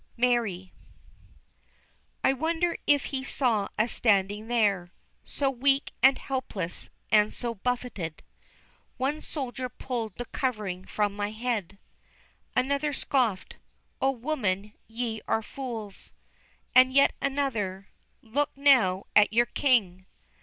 MARY. I wonder if he saw us standing there, So weak, and helpless, and so buffeted. One soldier pulled the covering from my head, Another scoffed, 'O woman ye are fools!' And yet another, 'Look now at your King!